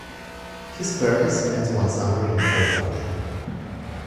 His parents met one summer in California.